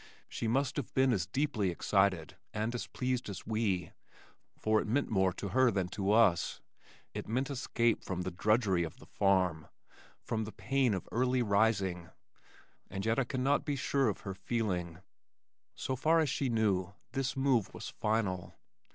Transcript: She must have been as deeply excited, and as pleased as we, for it meant more to her than to us, it meant escape from the drudgery of the farm, from the pain of early rising, and yet I cannot be sure of her feeling. So far as she knew this move was final.